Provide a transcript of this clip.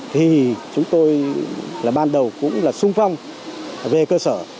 thì chúng tôi là ban đầu cũng là sung phong về cơ sở